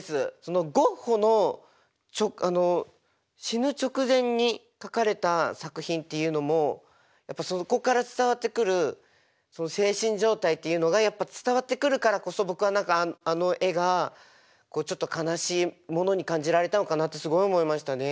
ゴッホの死ぬ直前に描かれた作品っていうのもやっぱそこから伝わってくる精神状態っていうのがやっぱ伝わってくるからこそ僕はあの絵がちょっと悲しいものに感じられたのかなってすごい思いましたね。